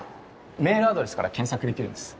メールアドレスから検索できるんです。